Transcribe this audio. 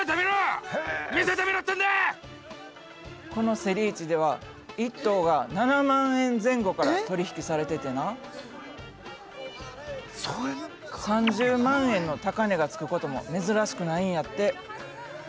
このセリ市では１頭が７万円前後から取り引きされててな３０万円の高値が付くことも珍しくないんやって。